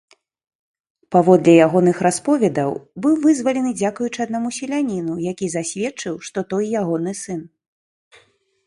Паводле ягоных расповедаў, быў вызвалены дзякуючы аднаму селяніну, які засведчыў, што той ягоны сын.